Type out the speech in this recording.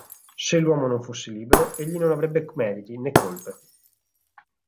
Se l'uomo non fosse libero, egli non avrebbe meriti, né colpe.